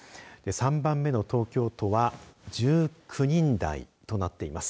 ３番目の東京都は１９人台となっています。